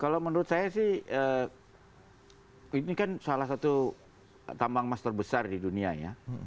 kalau menurut saya sih ini kan salah satu tambang emas terbesar di dunia ya